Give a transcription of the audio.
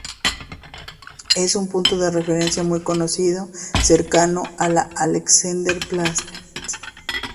Es un punto de referencia muy conocido, cercano a la Alexanderplatz.